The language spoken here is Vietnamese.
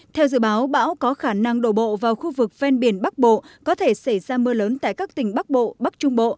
theo dự báo bão có khả năng đổ bộ vào khu vực ven biển bắc bộ có thể xảy ra mưa lớn tại các tỉnh bắc bộ bắc trung bộ